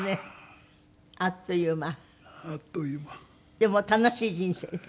でも楽しい人生？